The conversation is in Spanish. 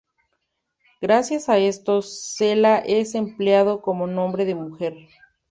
Gracias a esto, Cela es empleado como nombre de mujer.